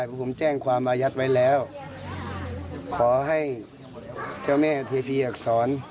บนบานสารกล่าวขอเจ้าแม่ช่วยหน่อย